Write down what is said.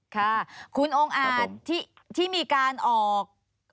ค่ะคุณองอัตรธรรมที่มีการออก